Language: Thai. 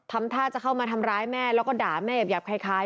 ทำท่าจะเข้ามาทำร้ายแม่แล้วก็ด่าแม่หยาบคล้าย